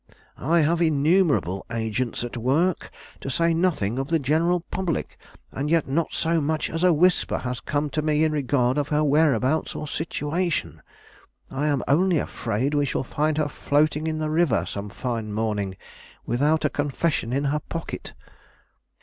"I have innumerable agents at work, to say nothing of the general public; and yet not so much as a whisper has come to me in regard to her whereabouts or situation. I am only afraid we shall find her floating in the river some fine morning, without a confession in her pocket."